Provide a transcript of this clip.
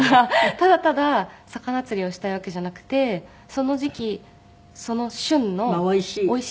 ただただ魚釣りをしたいわけじゃなくてその時期その旬のおいしい魚。